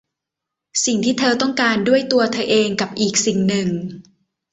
สิ่งที่เธอต้องด้วยตัวเธอเอง กับอีกสิ่งหนึ่ง